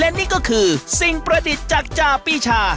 และนี่ก็คือสิ่งประดิษฐ์จากจ่าปีชา